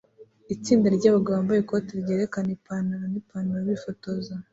Itsinda ryabagabo bambaye ikoti ryerekana ipantaro nipantaro bifotoza